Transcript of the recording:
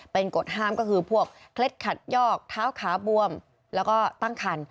เป็นกฎห้ามก็คือพวกเคล็ดขัดยอกเท้าขาบวมแล้วก็ตั้งคัน